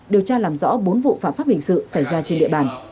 điều tra làm rõ bốn vụ phạm pháp hình sự xảy ra trên địa bàn